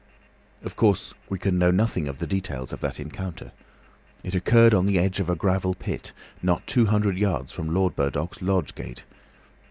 Of course we can know nothing of the details of that encounter. It occurred on the edge of a gravel pit, not two hundred yards from Lord Burdock's lodge gate.